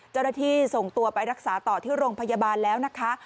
เจ้าหน้าที่ส่งตัวไปรักษาต่อที่โรงพยาบาลแล้วนะคะ